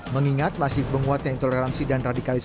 mengingat masih menguatnya intoleransi dan radikalisme